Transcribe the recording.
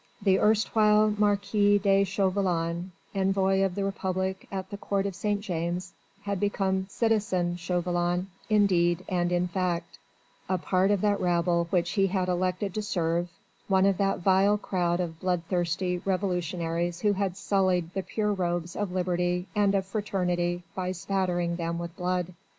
The erstwhile Marquis de Chauvelin envoy of the Republic at the Court of St. James' had become citizen Chauvelin in deed and in fact, a part of that rabble which he had elected to serve, one of that vile crowd of bloodthirsty revolutionaries who had sullied the pure robes of Liberty and of Fraternity by spattering them with blood.